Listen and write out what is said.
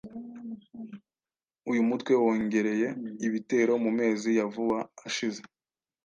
uyu mutwe wongereye ibitero mu mezi ya vuba ashize.